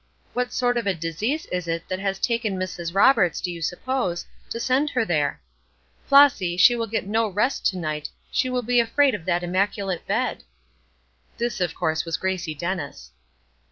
What sort of a disease is it that has taken Mrs. Roberts, do you suppose, to send her there? Flossy, she will get no rest to night; she will be afraid of that immaculate bed."' This, of course, was Gracie Dennis.